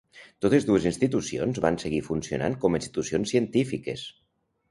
Totes dues institucions van seguir funcionant com institucions científiques.